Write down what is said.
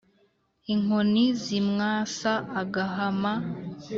inkoni zimwasa agahama